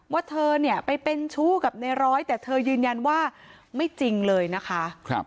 เธอเนี่ยไปเป็นชู้กับในร้อยแต่เธอยืนยันว่าไม่จริงเลยนะคะ